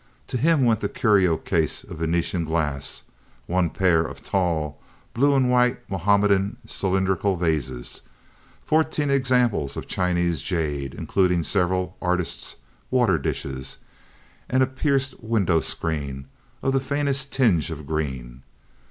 To him went the curio case of Venetian glass; one pair of tall blue and white Mohammedan cylindrical vases; fourteen examples of Chinese jade, including several artists' water dishes and a pierced window screen of the faintest tinge of green.